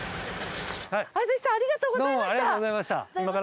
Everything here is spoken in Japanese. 畦地さんありがとうございました。